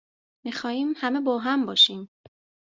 میخوایم همه باهم باشیم